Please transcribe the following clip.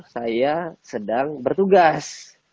saya sedang bertugas